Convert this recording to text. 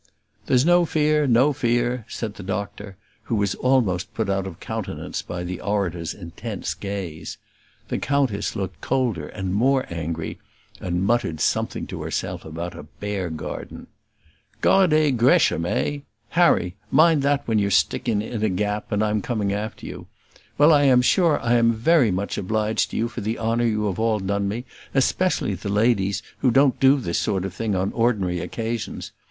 "There's no fear, no fear," said the doctor, who was almost put out of countenance by the orator's intense gaze. The countess looked colder and more angry, and muttered something to herself about a bear garden. "Gardez Gresham; eh? Harry! mind that when you're sticking in a gap and I'm coming after you. Well, I am sure I am very obliged to you for the honour you have all done me, especially the ladies, who don't do this sort of thing on ordinary occasions.